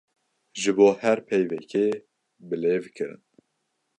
Ji bo her peyvekê bilêvkirin.